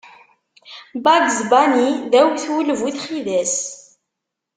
Bugs Bunny d awtul bu txidas.